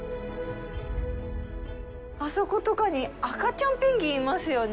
あそことかに赤ちゃんペンギンいますよね。